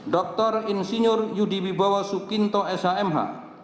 dr insinyur yudhibibawo sukinto shmh